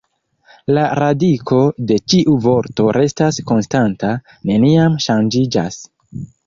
La radiko de ĉiu vorto restas konstanta, neniam ŝanĝiĝas.